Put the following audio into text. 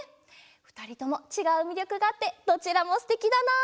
ふたりともちがうみりょくがあってどちらもすてきだな！